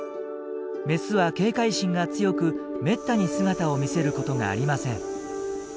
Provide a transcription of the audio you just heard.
メスは警戒心が強くめったに姿を見せることがありません。